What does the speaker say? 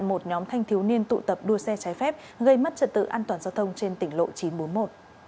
một nhóm thanh thiếu niên tụ tập đua xe trái phép gây mất trật tự an toàn giao thông trên tỉnh lộ chín trăm bốn mươi một